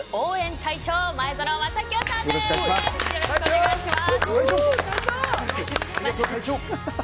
よろしくお願いします。